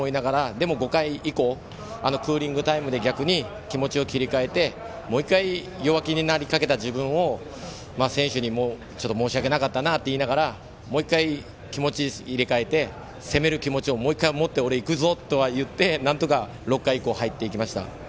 でも５回以降クーリングタイムで逆に気持ちを切り替えてもう１回弱気になりかけた自分を選手に申し訳なかったなと言いながらもう１回、気持ち入れ替えて攻める気持ちをもう１回持って俺、いくぞ！と言ってなんとか６回以降入っていきました。